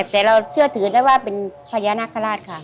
แต่เราเชื่อถือได้ว่าเป็นพญานาคาราชค่ะ